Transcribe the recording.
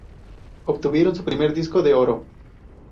Obtuvieron su primer disco de oro.